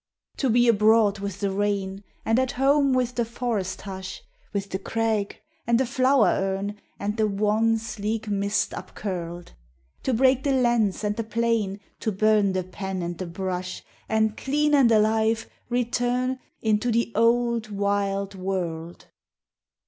... To be abroad with the rain, And at home with the forest hush, With the crag, and the flower urn, And the wan sleek mist upcurled; To break the lens and the plane, To burn the pen and the brush, And, clean and alive, return Into the old wild world!...